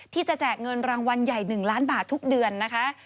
แจกเงินรางวัลใหญ่๑ล้านบาททุกเดือนนะคะ